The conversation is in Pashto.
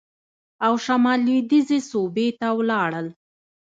او شمال لوېدیځې صوبې ته ولاړل.